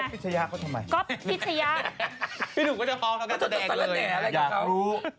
ก็ทำไมก็พิชยะพี่หนุ่มก็จะพ้อเขาจะแดกเลยค่ะอยากรู้โอ้